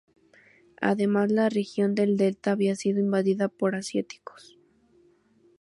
Además la región del Delta había sido invadida por asiáticos.